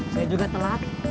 saya juga telat